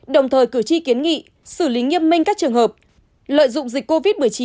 đồng thời cử tri kiến nghị xử lý nghiêm minh các trường hợp lợi dụng dịch covid một mươi chín